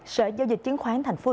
sở giao dịch chứng khoán tp hcm hồ sê